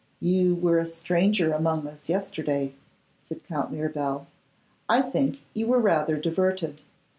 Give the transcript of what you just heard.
'You were a stranger among us yesterday,' said Count Mirabel; 'I think you were rather diverted.